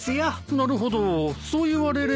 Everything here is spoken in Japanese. なるほどそう言われれば。